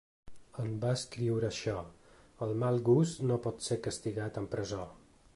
En va escriure això: El mal gust no pot ser castigat amb presó.